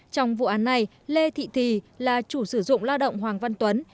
trong vụ án này lê thị thì là chủ sử dụng lao động hoàng văn tuấn